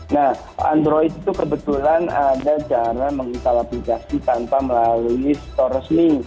nah android itu kebetulan ada cara menginstal aplikasi tanpa melalui store resmi